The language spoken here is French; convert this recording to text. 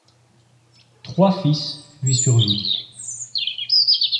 Trois fils lui survivent.